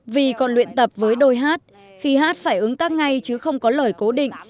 vì còn luyện tập với đôi hát khi hát phải ứng tác ngay chứ không có lời cố định